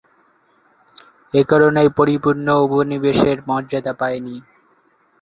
এ কারণেই পরিপূর্ণ উপনিবেশের মর্যাদা পায়নি।